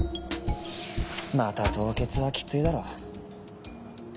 また凍結はきついだろ。